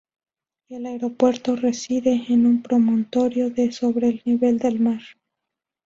El aeropuerto reside en un promontorio de sobre el nivel del mar.